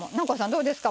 どうですか？